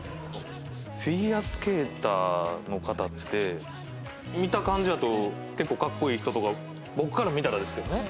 フィギュアスケーターの方って見た感じやと結構格好いい人とか僕から見たらですけどね。